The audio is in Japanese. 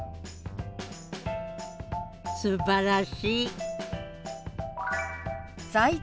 すばらしい！